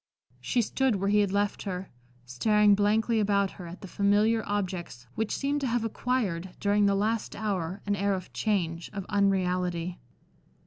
She stood where he had left her, staring blankly about her at the familiar objects which seemed to have acquired, during the last hour, an air of change, of unreality.